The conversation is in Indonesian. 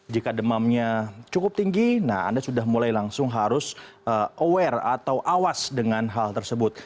jika demamnya cukup tinggi nah anda sudah mulai langsung harus aware atau awas dengan hal tersebut